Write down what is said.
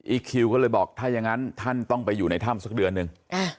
คิวก็เลยบอกถ้าอย่างนั้นท่านต้องไปอยู่ในถ้ำสักเดือนหนึ่ง